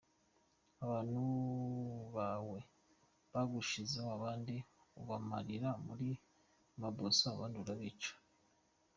Abantu bawe bagushizeho, abandi ubamarira muri mabuso, abandi urabica.